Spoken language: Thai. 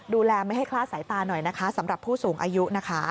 ดูแลไม่ให้คลาดสายตาหน่อยนะคะสำหรับผู้สูงอายุนะคะ